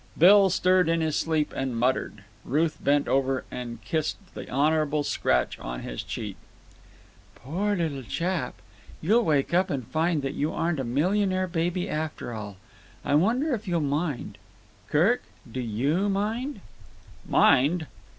Bill stirred in his sleep and muttered. Ruth bent over him and kissed the honourable scratch on his cheek. "Poor little chap! You'll wake up and find that you aren't a millionaire baby after all! I wonder if you'll mind. Kirk, do you mind?" "Mind!"